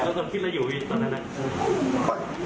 แล้วคุณต้องคิดว่าอยู่ตรงนั้นเป็นไง